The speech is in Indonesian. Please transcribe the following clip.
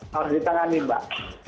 harus ditangani mbak